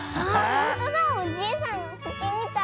ほんとだおじいさんのひげみたい。